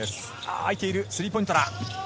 空いている、スリーポイントだ。